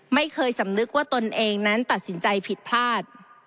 ไม่เคยสำนึกว่าตนเองนั้นตัดสินใจผิดพลาด